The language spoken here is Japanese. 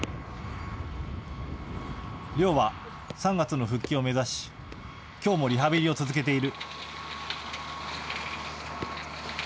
亮は３月の復帰を目指しきょうもリハビリを続けている。